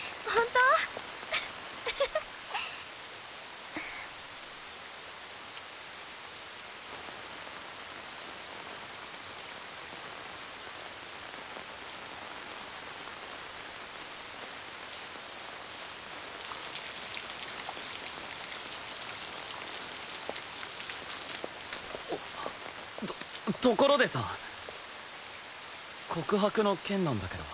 とところでさ告白の件なんだけど。